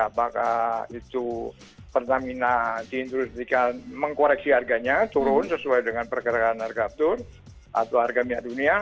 apakah itu pertamina diinstruksikan mengkoreksi harganya turun sesuai dengan pergerakan harga aftur atau harga minyak dunia